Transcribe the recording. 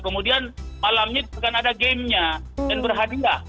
kemudian malamnya akan ada gamenya dan berhadiah